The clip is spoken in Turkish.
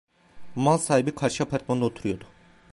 Mal sahibi karşı apartmanda oturuyordu.